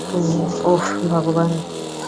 ওহ, ভগবান!